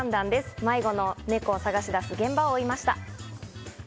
迷子のネコを捜し出す現場を追いました。